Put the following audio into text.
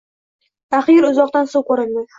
Axiyri uzoqdan suv ko`rindi